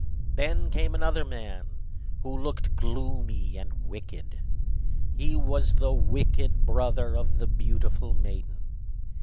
There came another man, who looked gloomy and wicked. He was the wicked brother of the beautiful maiden.